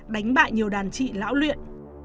đánh bại nhiều đàn chị lão luyện